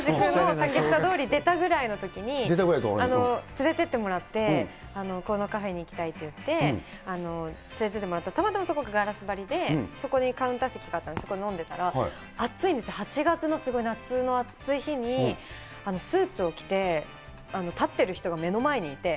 竹下通り出たぐらいのときに連れてってもらって、このカフェに行きたいって言って、連れてってもらって、たまたまそこがガラス張りで、そこにカウンター席があったので、そこで飲んでたら、暑いんです、８月の、すごい夏の暑い日に、スーツを着て、立ってる人が目の前にいて。